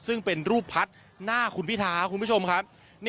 ซึ่งเป็นรูปพัดหน้าคุณพิทาคุณผู้ชมครับ